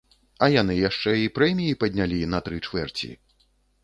А яны яшчэ і прэміі паднялі на тры чвэрці!